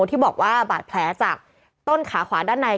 ที่บอกว่าบาดแผลจากต้นขาขวาด้านใน